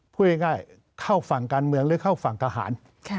พูดง่ายเข้าฝั่งการเมืองหรือเข้าฝั่งทหาร